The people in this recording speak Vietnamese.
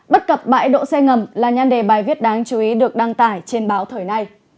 bất cập bãi đỗ xe ngầm là nhan đề bài viết đáng chú ý được đăng tải trên báo thời nay